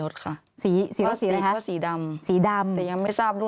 แต่ว่ารถสีดำเป็นรถกระบะ